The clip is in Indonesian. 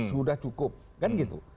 sudah cukup kan gitu